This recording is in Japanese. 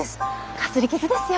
かすり傷ですよ。